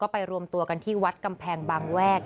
ไปรวมตัวกันที่วัดกำแพงบางแวก